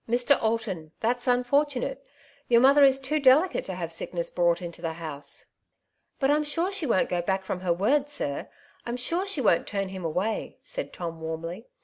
"Mr. Alton, that's unfortunate. Your mother is too delicate to have sickness brought into the house." " But Fm sure she won't go back from her word, sir; I'm sure she won't turn him away," said Tom warmly.